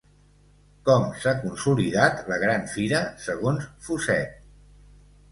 Com s'ha consolidat la Gran Fira segons Fuset?